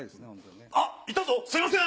あっいたぞすいません！